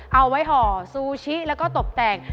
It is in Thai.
เอาไว้ห่อซูชิแล้วก็ตบแต่ง